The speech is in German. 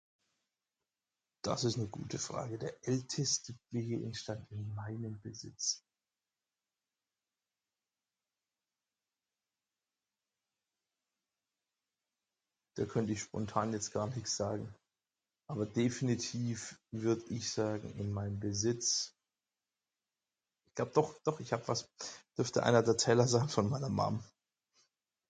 Das ist ne gute Frage: Der älteste Gegenstand in meinem Besitz... Da könnt ich spontan jetzt gar nichts sagen. Aber definitiv würde ich sagen, in meinem Besitz... Ja, doch, doch! Ich hab was. Dürfte einer der Teller sein von meiner Mom.